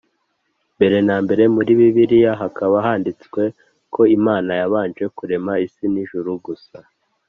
Mbere nambere muri bibiliya hakaba handitswe ko Imana yabanje kurema isi n’ijuru gusa.